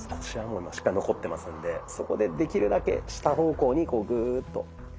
腰はしっかり残ってますんでそこでできるだけ下方向にこうグーッと。